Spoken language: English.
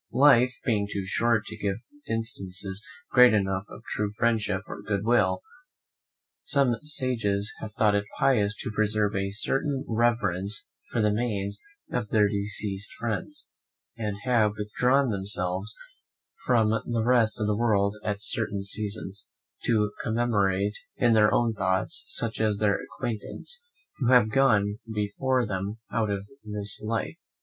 Life being too short to give instances great enough of true friendship or good will, some sages have thought it pious to preserve a certain reverence for the Manes of their deceased friends; and have withdrawn themselves from the rest of the world at certain seasons, to commemorate in their own thoughts such of their acquaintance who have gone before them out of this life.